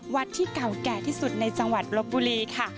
วัดที่เก่าแก่ที่สุดในจังหวัดลบบุรีค่ะ